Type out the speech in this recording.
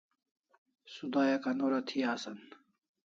Sudayak anorÃ thi asan